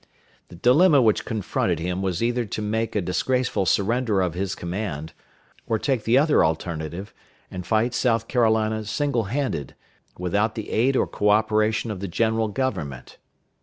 The dilemma which confronted him was either to make a disgraceful surrender of his command, or take the other alternative, and fight South Carolina single handed, without the aid or co operation of the General Government.